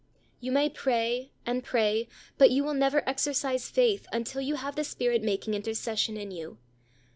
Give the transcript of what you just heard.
You may pray, and pray, but you will never exercise faith until you have the Spirit making intercession in you.